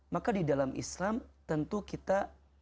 maka di dalam islam tentu kita